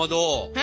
え？